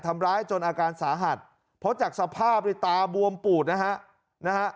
ทำร้ายจนอาการสาหัสเพราะจากสภาพในตาบวมปูดนะฮะนะฮะ